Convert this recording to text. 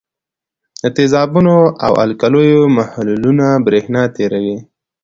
د تیزابونو او القلیو محلولونه برېښنا تیروي.